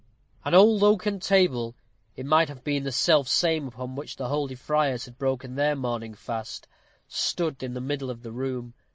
An old oaken table it might have been the self same upon which the holy friars had broken their morning fast stood in the middle of the room.